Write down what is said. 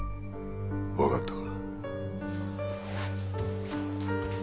分かったか？